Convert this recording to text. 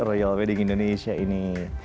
royal wedding indonesia ini